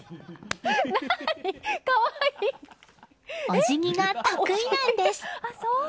おじぎが得意なんです。